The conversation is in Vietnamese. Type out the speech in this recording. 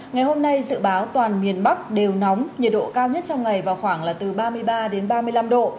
ngày hôm nay dự báo toàn miền bắc đều nóng nhiệt độ cao nhất trong ngày vào khoảng là từ ba mươi ba đến ba mươi năm độ